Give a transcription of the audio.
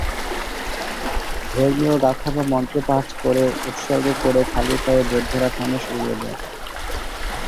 ধর্মীয় গাথা বা মন্ত্র পাঠ করে উৎসর্গ করে খালি পায়ে বৌদ্ধরা ফানুস উড়িয়ে দেন।